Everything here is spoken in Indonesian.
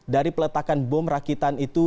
dari peletakan bom rakitan itu